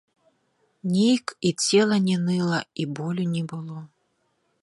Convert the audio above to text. Нейк і цела не ныла, і болю не было.